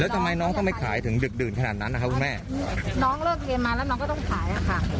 ทำไมน้องต้องไปขายถึงดึกดื่นขนาดนั้นนะคะคุณแม่น้องเลิกเรียนมาแล้วน้องก็ต้องขายอ่ะค่ะ